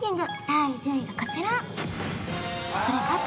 第１０位がこちら・ああ